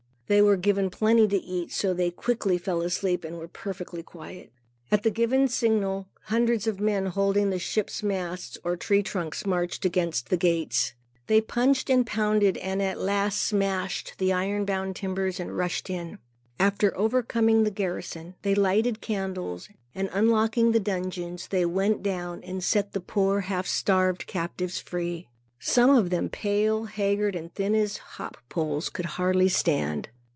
They were given plenty to eat, so that they quickly fell asleep and were perfectly quiet. At the given signal, hundreds of men holding ship's masts, or tree trunks, marched against the gates. They punched and pounded and at last smashed the iron bound timbers and rushed in. After overcoming the garrison, they lighted candles, and unlocking the dungeons, went down and set the poor half starved captives free. Some of them pale, haggard and thin as hop poles, could hardly stand.